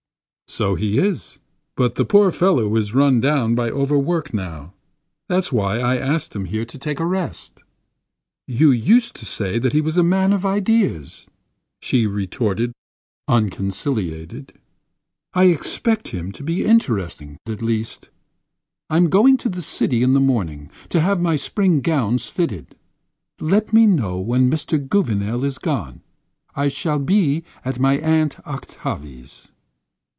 "So he is. But the poor fellow is run down by overwork now. That's why I asked him here to take a rest." "You used to say he was a man of ideas," she retorted, unconciliated. "I expected him to be interesting, at least. I'm going to the city in the morning to have my spring gowns fitted. Let me know when Mr. Gouvernail is gone; I shall be at my Aunt Octavie's."